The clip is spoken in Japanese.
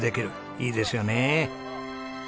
いいですよね。